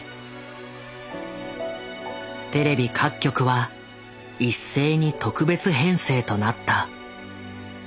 テレビ各局は一斉に特別編成となった。